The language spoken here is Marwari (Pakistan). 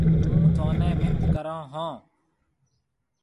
هُون ٿوني مِنٿ ڪرو هون۔